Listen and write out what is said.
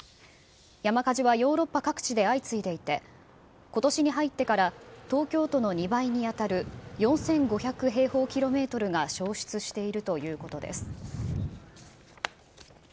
山火事はヨーロッパ各地で相次いでいて、ことしに入ってから、東京都の２倍に当たる４５００平方キロメートルが消失しているということです。